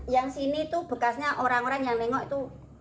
yang sini tuh bekasnya orang orang yang nengok itu